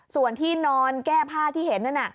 ส่วนที่นอนแก้ผ้าที่เห็นนั่นน่ะ